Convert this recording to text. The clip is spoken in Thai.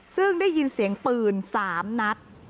ซึ่งได้ยินเสียงปืน๓นัด